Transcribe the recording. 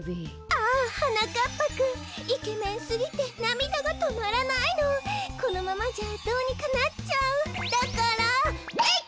ああはなかっぱくんイケメンすぎてなみだがとまらないのこのままじゃどうにかなっちゃうだからえいっ！